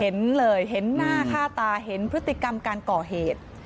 เห็นเลยเห็นหน้าค่าตาเห็นพฤติกรรมการก่อเหตุ